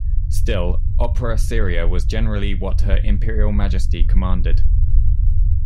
Still, opera seria was generally what her imperial majesty commanded.